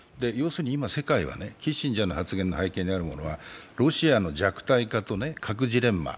今、世界はキッシンジャーの発言の背景にあるものはロシアの弱体化と核ジレンマ。